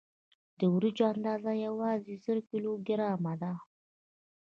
د وریجو اندازه یوازې زر کیلو ګرامه ده.